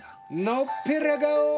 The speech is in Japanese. のっぺら顔を？